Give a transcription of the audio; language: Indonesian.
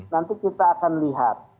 nanti kita akan lihat